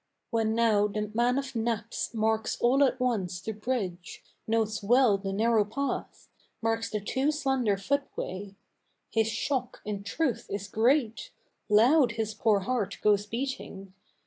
When now the man of naps marks all at once the bridge, Notes well the narrow path, marks the too slender footway, His shock in truth is great; loud his poor heart goes beating.